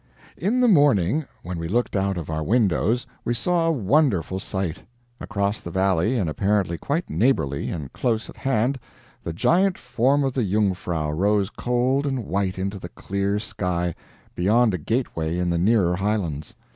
In the morning, when we looked out of our windows, we saw a wonderful sight. Across the valley, and apparently quite neighborly and close at hand, the giant form of the Jungfrau rose cold and white into the clear sky, beyond a gateway in the nearer highlands.